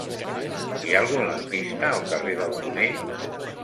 Hi ha algun lampista al carrer del Tonell?